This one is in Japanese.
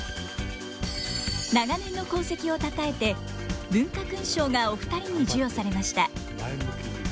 長年の功績をたたえて文化勲章がお二人に授与されました。